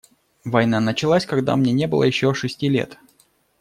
Война началась, когда мне не было еще шести лет.